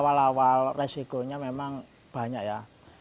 awal awal resikonya memang banyak ya